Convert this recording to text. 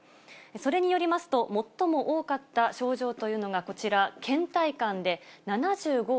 それによりますと、最も多かった症状というのがこちら、けん怠感で７５．７％。